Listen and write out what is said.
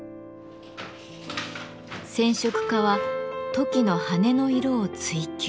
染色家はトキの羽の色を追求。